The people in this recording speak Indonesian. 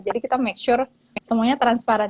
jadi kita make sure semuanya transparan